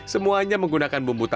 semuanya menggunakan kue yang berbeda